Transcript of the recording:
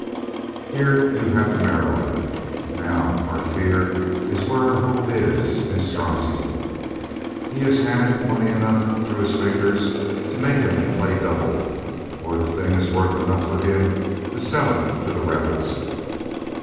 "Here you have the marrow of it. Now, our fear is where our hope is — in Strozzi. He has had 352 COLONEL GREATHEART money enough through his fingers to make him play double. Or the thing is worth enough for him to sell it to the rebels."